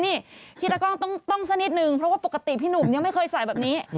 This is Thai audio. นี่พี่ตะกล้องต้องสักนิดนึงเพราะว่าปกติพี่หนุ่มยังไม่เคยใส่แบบนี้